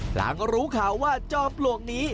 หลังรู้ข่าวว่าจอมปลวกนี้